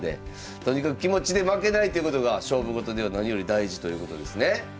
とにかく気持ちで負けないっていうことが勝負事では何より大事ということですね。